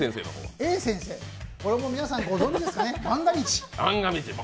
Ａ先生は、これも皆さんご存じですかね、「まんが道」